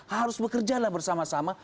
harus bekerjalah bersama sama